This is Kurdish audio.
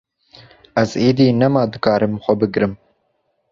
Ez êdî nema dikarim xwe bigirim.